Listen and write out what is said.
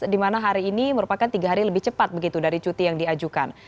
di mana hari ini merupakan tiga hari lebih cepat begitu dari cuti yang diajukan